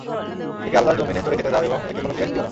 একে আল্লাহর যমীনে চরে খেতে দাও এবং একে কোন ক্লেশ দিও না।